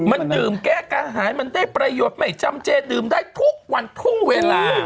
มันดื่มแก้กระหายมันได้ประโยชน์ไม่จำเจดื่มได้ทุกวันทุกเวลา